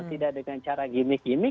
tidak dengan cara gimmick gimmick